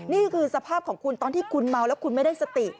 นี่คือสภาพของคุณตอนที่คุณเมาแล้วคุณไม่ได้สติ